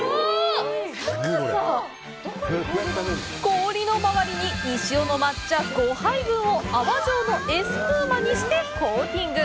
氷の周りに西尾の抹茶５杯分を泡状のエスプーマにしてコーティング！